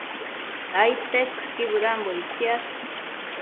Aidtetsëqui bëdambo ictsiash